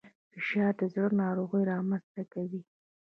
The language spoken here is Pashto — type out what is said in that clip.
فشار د زړه ناروغۍ رامنځته کوي